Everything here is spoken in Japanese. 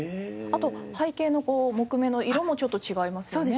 あと背景の木目の色もちょっと違いますよね。